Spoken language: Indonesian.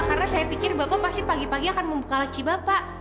karena saya pikir bapak pasti pagi pagi akan membuka lacibapa